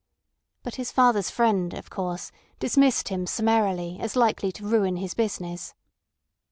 But his father's friend, of course, dismissed him summarily as likely to ruin his business.